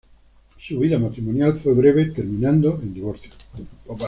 Su vida matrimonial fue breve, terminando en divorcio.